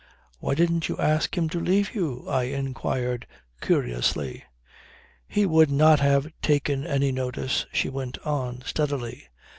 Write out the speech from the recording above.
"Why didn't you ask him to leave you?" I inquired curiously. "He would not have taken any notice," she went on steadily.